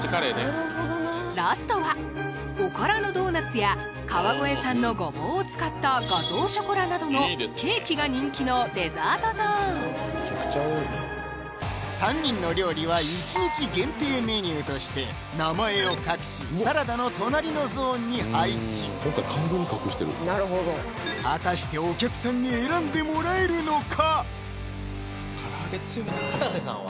ラストはおからのドーナツや川越産のごぼうを使ったガトーショコラなどのケーキが人気のデザートゾーン３人の料理は１日限定メニューとして名前を隠しサラダの隣のゾーンに配置果たしてお客さんに選んでもらえるのか？